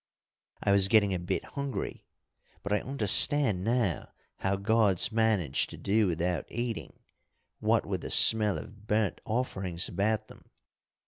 I was getting a bit hungry, but I understand now how gods manage to do without eating, what with the smell of burnt offerings about them.